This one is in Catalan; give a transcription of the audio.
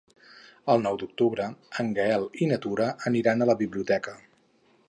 El nou d'octubre en Gaël i na Tura aniran a la biblioteca.